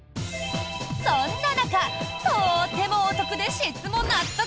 そんな中とてもお得で質も納得！